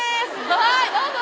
はいどうぞ！